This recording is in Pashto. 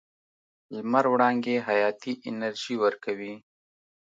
لمر وړانګې حیاتي انرژي ورکوي.